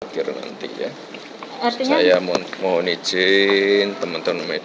akhir nanti ya saya mohon izin teman teman media untuk